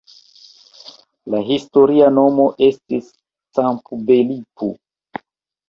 La historia nomo estis "Campbellpur".